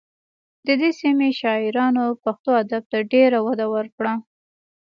د دې سیمې شاعرانو پښتو ادب ته ډېره وده ورکړه